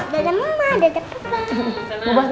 dada mama dada papa